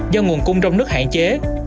do nguồn cung trong nước hạn chế